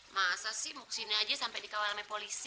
masa sih mau kesini aja sampai dikawal oleh polisi